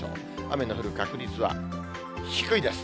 雨の降る確率は低いです。